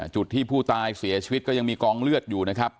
จุดที่ผู้ตายเสียชีวิตก็ยังมีกองเลือดอยู่นะครับ